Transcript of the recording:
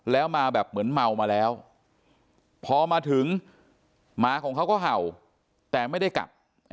แล้วมาแบบเหมือนเมามาแล้วพอมาถึงหมาของเขาก็เห่าแต่ไม่ได้กัด